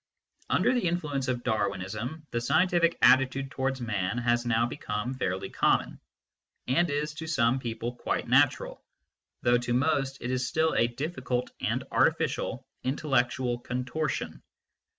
Under the influence of Darwinism the scientific atti tude towards man has now become fairly common, and is to some people quite natural, though to most it is still a difficult and artificial intellectual contortion.